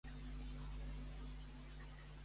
Qui n'és el portaveu al congrés d'Espanya?